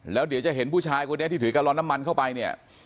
แล้วเดี๋ยวจะเห็นผู้ชายคนนี้ที่ถือกะลอนน้ำมันเข้าไปเนี่ย